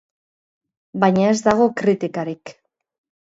Baina ez dago kritikarik.